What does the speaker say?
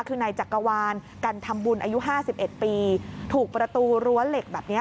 คือนายจักรวาลกันทำบุญอายุห้าสิบเอ็ดปีถูกประตูรั้วเหล็กแบบนี้